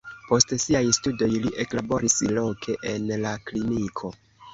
Post siaj studoj li eklaboris loke en la kliniko.